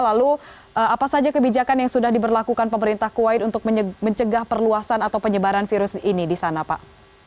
lalu apa saja kebijakan yang sudah diberlakukan pemerintah kuwait untuk mencegah perluasan atau penyebaran virus ini di sana pak